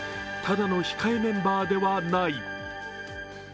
ただの控えメンバーではない。